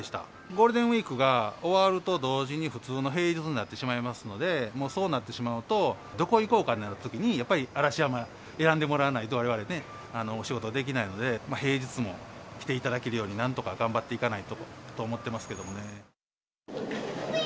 ゴールデンウィークが終わると同時に、普通の平日になってしまいますので、もうそうなってしまうと、どこ行こうかってなったときに、やっぱり嵐山選んでもらわないと、われわれね、お仕事できないので、平日も来ていただけるように、なんとか頑張っていかないとと思ってますけれどもね。